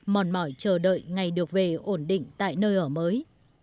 mòn mỏi chờ đợi ngày được về ổn định tại nơi ở mới